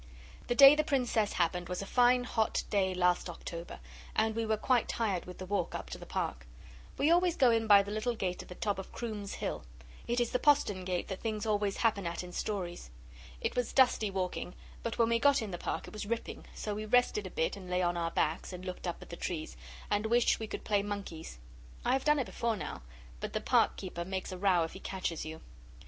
The day the Princess happened was a fine, hot day, last October, and we were quite tired with the walk up to the Park. We always go in by the little gate at the top of Croom's Hill. It is the postern gate that things always happen at in stories. It was dusty walking, but when we got in the Park it was ripping, so we rested a bit, and lay on our backs, and looked up at the trees, and wished we could play monkeys. I have done it before now, but the Park keeper makes a row if he catches you.